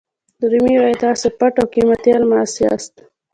رومي وایي تاسو پټ او قیمتي الماس یاست.